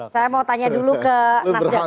saya mau tanya dulu ke nasdem